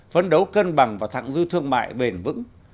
phấn đấu cân bằng và thẳng dư thương mại bền vững